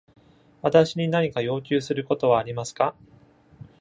私に何か要求することはありますか？